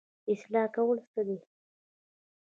اصلاح کول څه دي؟